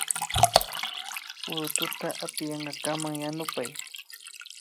Purututa apiyankakaman yanupay